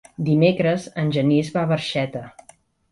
Dimecres en Genís va a Barxeta.